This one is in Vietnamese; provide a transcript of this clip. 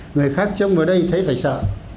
người khác chống vào đây thấy phải sợ